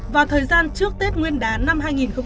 và thời gian trước tết nguyên đán năm hai nghìn hai mươi ba